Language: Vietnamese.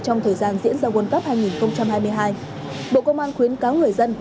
trong thời gian diễn ra nguồn cấp hai nghìn hai mươi hai bộ công an khuyến cáo người dân